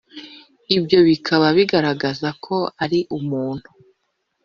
, ibyo bikaba bigaragaza ko ari umuntu.